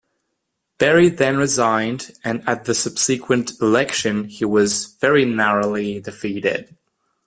Berry then resigned, and at the subsequent election he was very narrowly defeated.